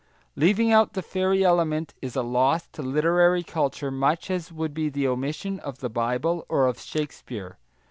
Leaving out the fairy element is a loss to literary culture much as would be the omission of the Bible or of Shakespeare.